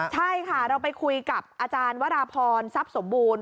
ใช่ค่ะเราไปคุยกับอาจารย์วราพรทรัพย์สมบูรณ์